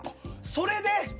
それで？